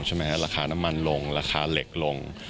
ราคาน้ำมันลงราคาเหล็กลง